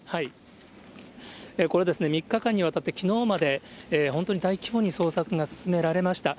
これですね、３日間にわたって、きのうまで本当に大規模に捜索が進められました。